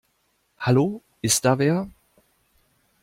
Hallo, ist da wer?